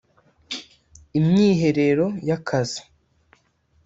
imyiherero y akazi